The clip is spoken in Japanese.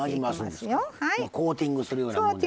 コーティングするようなもんですか。